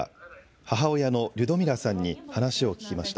母親のリュドミラさんに話を聞きました。